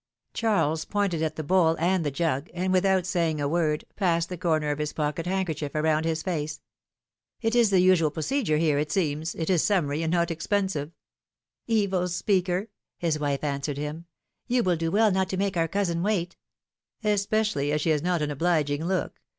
Charles pointed at the bowl and the jug, and, without saying a word, passed the corner of his pocket handker chief around his face. ^^It is the usual procedure here, it seems — it is summary and not expensive.^^ Evil speaker ! his wife answered him ; you will do well not to make our cousin wait." Especially as she has not an obliging look.